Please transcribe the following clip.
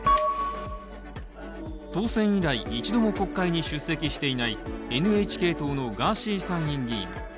当選以来、一度も国会に出席していないＮＨＫ党のガーシー参議院議員。